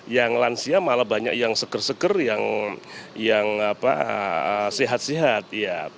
yang lansia malah banyak yang seger seger yang sehat sehat